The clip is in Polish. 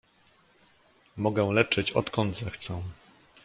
"Mogę leczyć odkąd zechcę!"